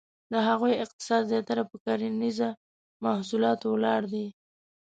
د هغو اقتصاد زیاتره په کرنیزه محصولاتو ولاړ دی.